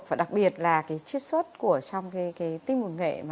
và đặc biệt là cái chiết xuất của trong cái tinh mục nghệ